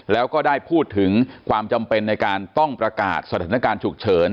แล้วก็ได้พูดถึงความจำเป็นในการต้องประกาศสถานการณ์ฉุกเฉิน